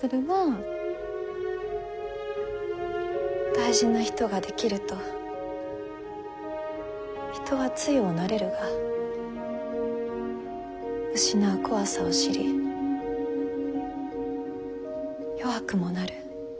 大事な人ができると人は強うなれるが失う怖さを知り弱くもなる。